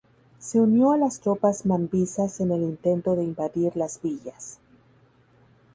Se unió a las tropas mambisas en el intento de invadir Las Villas.